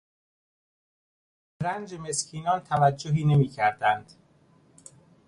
آنان به رنج مسکینان توجهی نمیکردند.